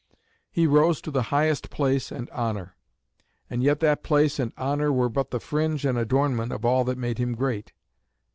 He rose to the highest place and honour; and yet that place and honour were but the fringe and adornment of all that made him great.